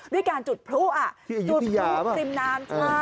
ด้วยการจุดพลุจุดพลุริมน้ำ